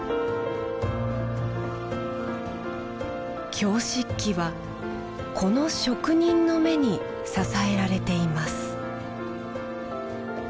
京漆器はこの職人の目に支えられています